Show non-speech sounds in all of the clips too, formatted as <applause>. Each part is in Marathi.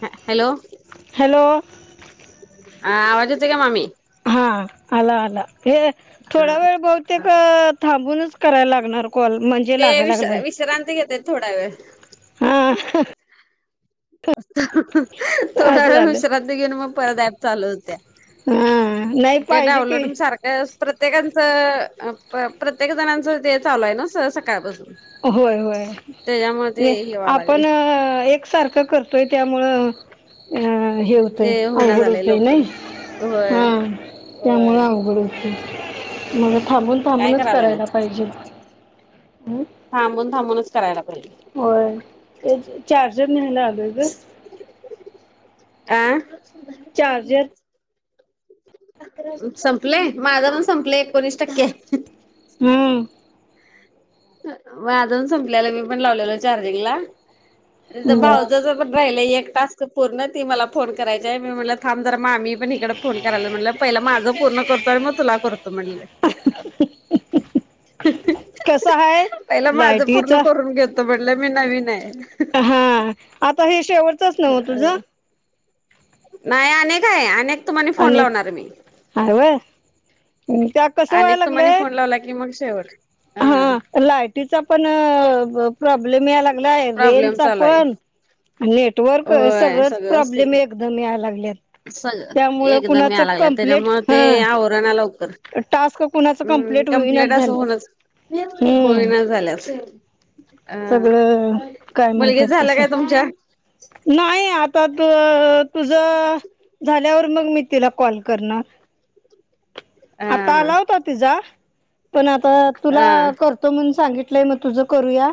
ह हॅलो हॅलो. हा आवाज येतोय का मामी. हा आला आला हे थोडा वेळ बहुतेक थांबूनच करायला लागणार कॉल म्हण ते विश विश्रांती घेत्यात थोडा वेळ. हा थोडा असं वेळ झालंय विश्रांती घेऊन मग परत ॲप चालू हुतीया. हम्म. <unintelligible> प्रत्येकांचं प्रत्येक जणांचं ते चालू आहे ना स सकाळपासनं. होय होय व्हाय लागले आपण एक सारखं करतोय त्यामुळं अं हे होतय ते होना आवघड झालंय होतय लवकर. नाही, होय. हा त्यामुळं होय आवघड होतयं. मला थांबून काय थांबूनच करायलाय मग करायला पाहिजे, अहं. थांबून थांबूनच करायला पाहिजे. होय तेच चार्जर न्यायला आलोय गं. आ चार्जर. संपलंय माझं पण संपलंय एकोणीस टक्के हाय. हम्म. माझं पण संपल्यालं मी पण लावलेलो चार्जिंगला. तिथं बर भाऊजच पण राहिलयं एक टास्क तिचं पूर्ण ती मला फोन करायची हाय मी म्हटलं थांब जरा मामी पण हीकडं फोन करायला म्हटलं पहिला माझ पूर्ण करतो आणि मग तुला करतो म्हटलं. कसं हाय? पहिलं माझं पूर्ण करून घेतो म्हणलं मी नवीन हायं. हां, आता हे शेवटचचं नव तुझं? नाही अनेक हाय अनेक तुम्हाणी फोन आणि लावणार मी, हाय व्हयं त्यात अनेक तुम्हानी फोन लावला की मग शेवट ह. हा लायटीचा पण प्रॉब्लेम यायलागं लाय प्रॉब्लेम रेंजचा चालू आहे पण नेटवर्क होय सगळंच प्रॉब्लेम एक दम यायला लागल्यात. स त्यामुळं एकदम कुणाचं यायलागल्यात कंप्लेट तेच्यामुळं ते हा आवरणा लवकर. टास्क कुणाचं हम् कंप्लीट होईनाच कमप्लीट असं झाल्यात होउनच हम्म होहिनाच झाल्यात. अह सगळं काय मुलगी म्हणतात झालं तसं काय तुमच्या? नाही आता तू तुझं झाल्यावर मग मी तिला कॉल करणार अ आतां आला होता तिचा पण आता हा तुला कर हा करतो म्हणून सांगितलयं मग तुझं करूया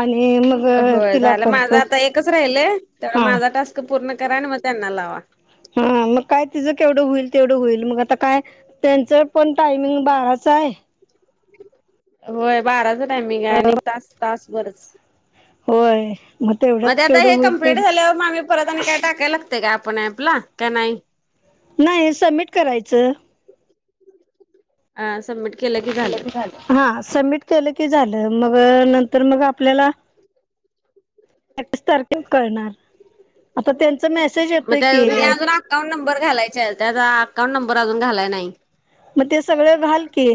आणि मग होय तिला झालं माझं करतो आता एकच राहिलय तेवढं हा माझा टास्क पूर्ण करा आणि मग त्यांना लावा. हं मग काय तिझं केवढं होईल तेवढं होईल मग आता कायं त्यांचं पण टायमिंग बाराचं हायं. होय बाराच टायमिंग आहे आणि एक तास तास बरंच. होयं. मध्ये आता हे कंप्लीट झाल्यावर मामी परत आणि काय टाकायला लागतयं का आपण ऍपला काय नाही? नाही सबमिट करायचं. अ सबमिट केलं की झालं. हा सबमिट केलं की झालं मग नंतर मग आपल्याला अस तारखे करणार आता त्यांचा मेसेज येतोय की. अकाऊंट नंबर घालायचे त्याचा अकाउंट नंबर अजून घालाय नाही. मग ते सगळं घाल की.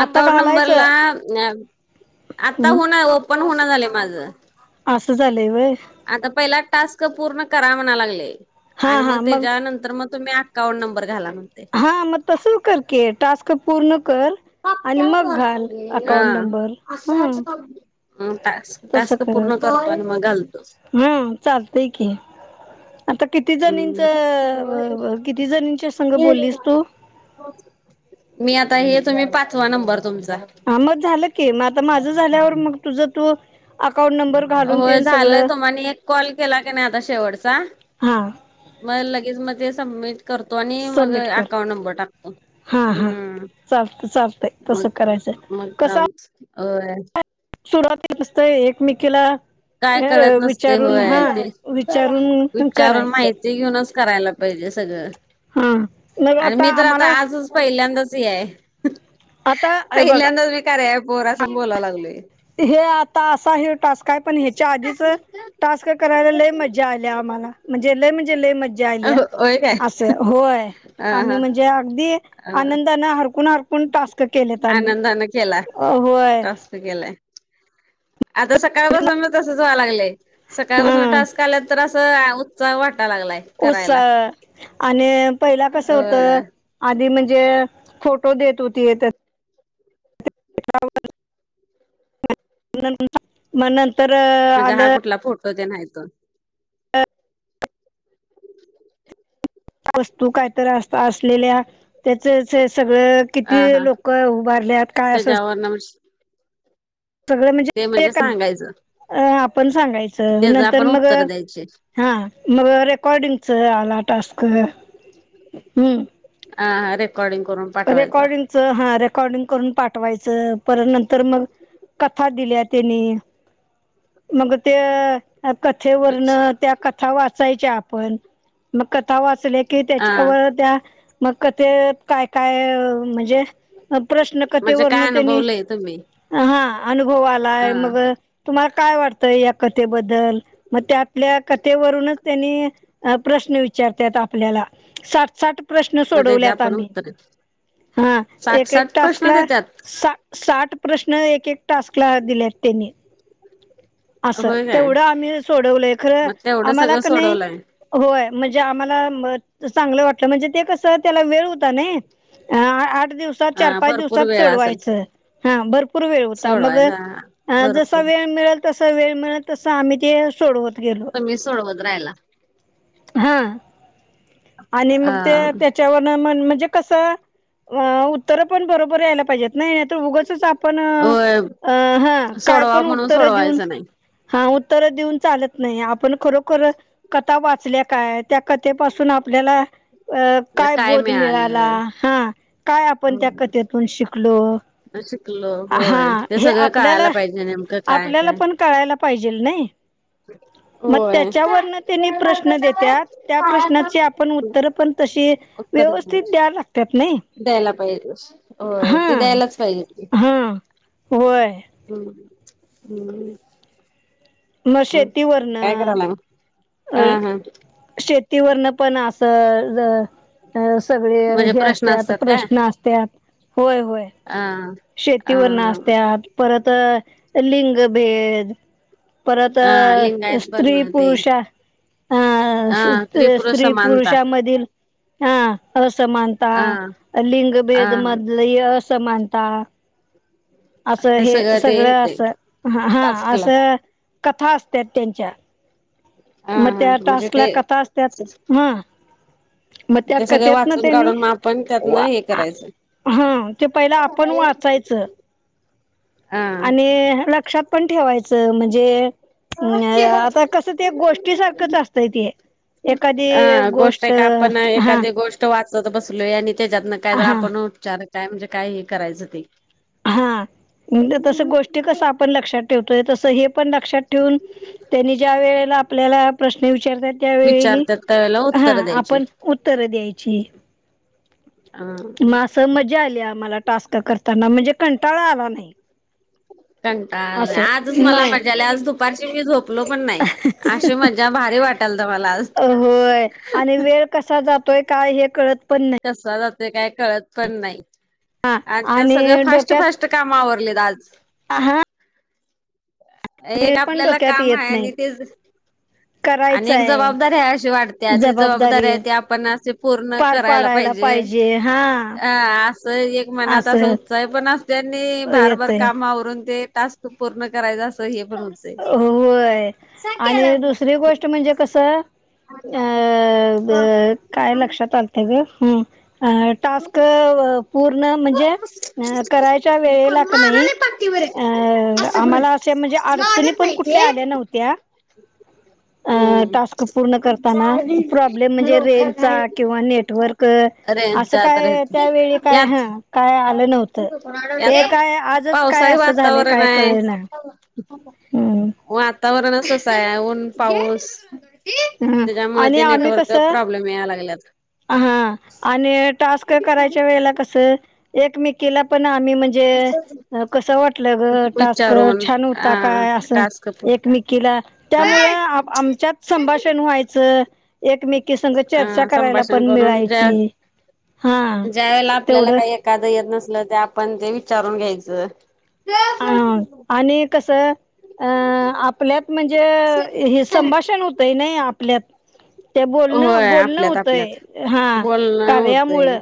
आता अकाउंट नंबरला घालायचं आता होणार ओ पण हुना झालंय माझं. असं झालंय वय. आता पहिला टास्क पूर्ण करा म्हणा लागले हा आणि मग हा त्याच्यानं तर मग तुम्ही अकाउंट नंबर घाला म्हणतय. हां मग तसं कर की टास्क पूर्ण कर, आणि मग घाल हा. अकाउंट नंबर हा. टास्क टास्क पूर्ण करतो आणि मग घालतो. हम्म चालतय की. आता किती जणीच हम्म. किती जणींच्या संघ बोललीस तू? मी आता हे तुम्ही पाचवा नंबर तुमचा. हा मग झालं की मग आता माझं झाल्यावर मग तुझं तू अकाउंट नम हो झालंय तुम्हानी एक कॉल केला की नाय आता शेवटचा. हा. मग लगेच मग ते सबमिट करतो आणि मग सबमिट कर अकाउंट नंबर टाकतो. हा हा हम्म. चालत चालतंय तसं करायचंय कसं अय. सुरुवातीला असतय एकमेकीला काय कळत अ नसते विचारून हा होय विचारून पण विचारून करायचं. ते माहिती घेऊनच करायला पायजे सगळं हा मग आणि मी तर आता आम्हाला आजच पहिल्यांदाच ये हाय आता हे बघा पहिल्यांदाच मी कार्या ॲपवर असं बोला लागलोय. ते हे आता अस ह्यो टास्क काय पण ह्याच्या आधीच टास्क करायला लय मज्जा आली आम्हाला म्हणजे लय म्हणजे लय मज्जा आलीया. होय काय असं होय हा आम्ही हा म्हणजे अगदी हा आनंदाने हरकून हर पण टास्क केलेत आम्ही आनंदानं केला अ होय. टास्क केलाय. आता सकाळपासन पण तसंच व्हा लागलंय सकाळपासून हा टास्क आले तर असं. च वाटाय लागलाय. करायला उत्साह आणि पहिला कसं होत. होय आधी म्हणजे फोटो देत होतीत. <unintelligible> <inaudible> मग नंतर अ म्हणजे हा आलं कुठला फोटो ते नाय त. वस्तू काहीतर अस असलेल्या त्याचच हे सगळं किती लोक उभारल्यात काय असं? हो नमस सगळं म्हणजे <unintelligible> सांगायचं. अ आपण सांगायचं त्याच नंतर आपण मग उत्तर द्यायचे हा मग रेकॉर्डिंगच आला टास्क हम्म. हा हा रेकॉर्डीिंग करून पाठवायचा. रेकॉर्डिंगच हा रेकॉर्डिंग करून पाठवायचं पर नंतर मग कथा दिल्या तेनी मग त्य कथेवरन त्या कथा वाचायच्या आपण मग कथा वाचल्या कि अ त्याच्यावर त्या मग कथेत काय काय म्हणजे अ प्रश्न म्हणजे कथेवरन काय त्यानी अनुभवलंय तुम्ही हा अनुभव अ आलाय मग तुम्हाला काय वाटतंय या कथेबद्दल? मग त्या आपल्या कथेवरूनच त्यांनी अ प्रश्न विचारत्यात आपल्याला साठ साठ प्रश्न मग त्याचे सोडवल्यात आपण आम्ही. उत्तर हा साठ एक एक साठ प्रश्न टास्कला देतात सा साठ प्रश्न एक एक टास्कला दिल्यात तेनी. असं होय काय तेवढं आम्ही सोडवलंय खरं मग तेवढं आम्हाला सगळं का नाई सोडवलंय होय म्हणजे आम्हाला म चांगलं वाटलं म्हणजे ते कसं त्याला वेळ होता नई. आठ दिवसात अ चार पाच भरपूर दिवसात वेळ असेल सोडवायचं. हा भरपूर वेळ होता मग सोडवायला अ जसा भरपूर वेळ मिळेल तस वेळ मिळलं तसं आम्ही ते सोडवत गेलो तुम्ही सोडवत रायला. हा. आणि अ मग ते त्याच्यावरन म्हणजे कस उत्तर पण बरोबर यायला पाहिजेत नाही नाही तर उगचच आपण होय अ हा काय सोडवा पण म्हणून उत्तर देऊन सोडवायचं नाही हा उत्तर देऊन चालत नाही आपण खरोखरच कथा वाचल्या काय त्या कथेपासून आप आपल्याला अ काय बोध मिळाला हा काय आपण त्या हो कथेतून शिकलो शिकलो होय हा ते हे सगळं कळायला आपल्याला पाहिजे नेमकं काय आपल्याला काय पण कळायला पाहिजेल नाही मग होय. त्याच्यावर त्यांनी प्रश्न देत्यात त्या प्रश्नाची आपन तर पण तशी उत्तर व्यवस्थित द्याय लागतात नाही द्यायला पाहिजे होय ते हा द्यायलाच पाहिजे हा होय हम्म हम्म मग शेतीवरन काय करायलाय मग? अ हा हा शेतीवरन पण अस जर अ सगळे म्हणजे हे प्रश्न असतात प्रश्न असतात होय होय आ शेतीवरन आसत्यात परत लिंगभेद परत अ लिंगायत बरण ते स्त्री-पुरुष ह अ त्रिपुर समानता स्त्री-पुरुषामधील हा असमान अ हा अ लिंगभेद मधील असमानता अस ते हे सगळं ते येतय अस ह अस टास्कला कथा असतात त्यांच्या हा मग हा त्या म्हणजे टास्कल्या ते कथा असतात ह ते सगळ्या वाचून त्यांनी काढून आपण मग त्यातन वा हे करायच हा ते पहिला आपण वाचायच हा आणि लक्षात पण ठेवायच म्हणजे ह आता कस ते गोष्टी सारखंच असतंय ते हा गोष्ट आहे का आपण हा एखादी गोष्ट वाचत बसलोय आणि त्याच्यातन काय ज हा आपण उपचार काय म्हणजे काय हे करायचं ते हा तस गोष्टी कस आपण लक्षात ठेवतोय तस हे पण लक्षात ठेवून त्यांनी ज्या वेळेला आपल्याला प्रश्न विचारतात त्यावेळी विचारतात त्याला हा उत्तर द्यायची आपण उत्तर द्यायची अ मग अस मजा आली आम्हाला टास्क करताना म्हणजे कंटाळा आला नाही कंटाळा आला असं नाही आजच मला नाही मजा आली आज दुपारची मी झोपलो पण नाही अशी मज्जा भारी वाटालत मला आज अ, होय आणि वेळ कसा जातोय काय हे कळतच नाही कसला जाते काय कळत पण नाही आणि त्या सगळ फास्ट फास्ट काम आवरलेत आज हा एक हे पण आपल्याला डोक्यात काम येत आहे नाही आणि ते आणि एक जबाबदारी आहे अशी वाटते ती जबाबदारी आहे त आपण असे पूर्ण पार करायला पाडायला पाहिजे हा अ अस एक मनात अस असं उत्साही पण असत त्यांनी भारभार येतय काम आवरुन ते टास्क पूर्ण करायच अस हे पण होतंय होय आणि दुसरी गोष्ट म्हणजे कस अ काय लक्षात आल ह टास्क पूर्ण म्हणजे अ करायच्या वेळेला किनाय आमला असे अड सुनी पण कुठल्या आल्या नव्हत्या. अ टास्क पूर्ण करताना प्रॉब्लेम म्हणजे लोकय रेंजचा किंवा नेटवर्क <inaudible> अरे असं जात काय रेच त्यावेळी काय हा यात काय आलं नव्हतं. हे काय <inaudible> आजच काय पावसाळी असं झालंय वातावरण काय आहे. कळेना. हम्म वातावरण तसं आहे ऊन पाऊस... हा त्याच्यामुळे आणि ते नेटवर्क प्रॉब्लेम याला लागलाय. हां, अन टास्क करायच्या वेळेला कसं... एकमेकांना पण आम्ही म्हणजे कसं वाटलं गं टास्क विचारून छान होता अ काय असं. टास्क एकमेकीला, त्यामुळं आमच्यात संभाषण व्हायचं. एकमेकीसंघ अ चर्चा करायला संभाषण पण करून मिळायची ज्या हां, ज्या वेळेला आपल्याला तेवढंच, काही एखादं येत नसल ते आपण ते विचारून घ्यायचं. हां, आणि कसं अ आपल्यात म्हणजे हे संभाषण होतंय नाही आपल्यात ते बोलणं होय बोलणं आपल्यात होतंय आपल्यात हा बोलणं होतंय. कार्यामुळं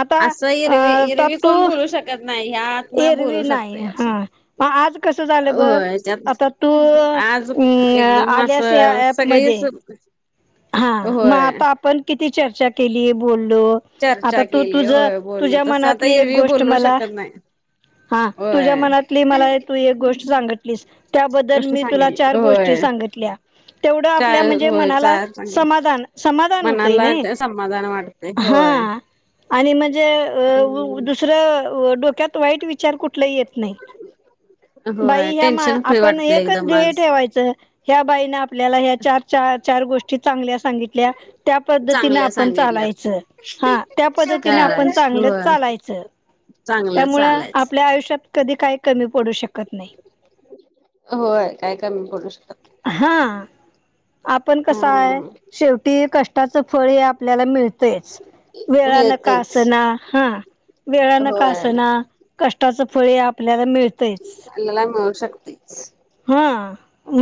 आता असं अं, इरवी, आता इरवी कोण तू बोलू शकत नाही, हयात एरवी बोलू शकत नाही अस हा मग आज कसं झालं बघ आता तू याच्यात आ <inaudible> अं, एकदम आल्यास या असं सगळीच ॲपमध्ये हा मग होय आत्ता किती चर्चा केली बोललो.. आता चर्चा तू केली तुझ होय बोललो तुझ्या तसं आता मनातली एक एरवी गोष्ट बोलू मला शकत नाही. हां, तुझ्या होय मनातली मला तू एक गोष्ट सांगितलीस त्याबद्दल गोष्ट मी तुला, सांगितली चार गोष्टी होय सांगीतल्या तेवढ आपल्या चार म्हणजे होय मनाला चार सांगितली. समाधान, समाधान होतय मनाला ना, समाधान वाटते होय. हां. आणि म्हणजे अ, अ दुस..... हम्म दुसरं डोक्यात वाईट विचार कुठल येत नाही. बाई होय ह्यामा टेन्शन फ्री आपण वाटतंय एकच एकदम ध्येय आज. ठेवायचं. ह्या बाईना आपल्याला ह्या चार, चार गोष्टी चांगल्या सांगितल्या त्या पद्धतीने चांगल्या आपण सांगितल्यात चालायचं हां त्या पद्धतीने आपण करायच चांगलंच होय चालायचं. चांगलं त्यामुळ चालायचं. आपल्या आयुष्यात कधी काही कमी पडू शकत नाही. होय काय कमी पडु शकत नाही. हां, आपण अ कस आहे. शेवटी कष्टाचं फळ हे आपल्याला मिळतय. तेच, वेळाने का मिळतेच आसेना हां वेळानं का होय असना. कष्टाच फळेहे आपल्याला मिळत.. आला शक्ती <inaudible> हां म